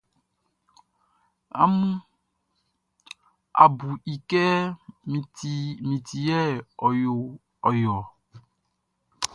A bu i kɛ min ti yɛ a yo ɔ.